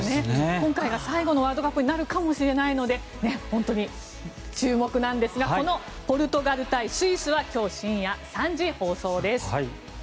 今回が最後のワールドカップになるかもしれないので本当に注目なんですがこのポルトガル対スイスは今日深夜３時放送です。